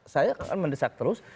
saya akan mendesak terus